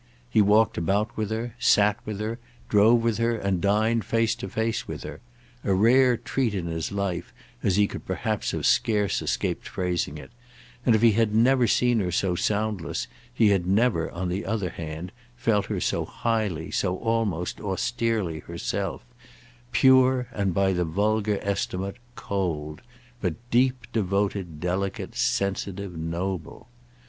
He walked about with her, sat with her, drove with her and dined face to face with her—a rare treat "in his life," as he could perhaps have scarce escaped phrasing it; and if he had never seen her so soundless he had never, on the other hand, felt her so highly, so almost austerely, herself: pure and by the vulgar estimate "cold," but deep devoted delicate sensitive noble.